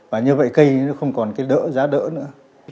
và như vậy cây nó không còn cái đỡ giá đỡ nữa